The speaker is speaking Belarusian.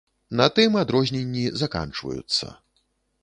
На тым адрозненні заканчваюцца.